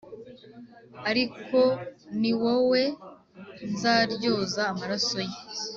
ariko ni wowe nzaryoza amaraso ye.